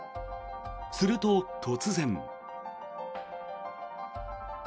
すると、突然。